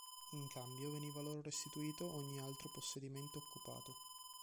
In cambio veniva loro restituito ogni altro possedimento occupato.